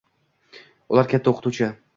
Ular katta o`qituvchi